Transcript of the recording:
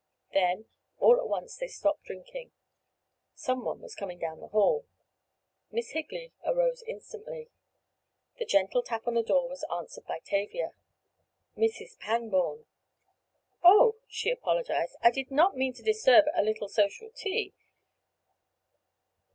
Then, all at once they stopped drinking—some one was coming down the hall. Miss Higley arose instantly. The gentle tap on the door was answered by Tavia. Mrs. Pangborn! "Oh," she apologized, "I did not mean to disturb a little social tea.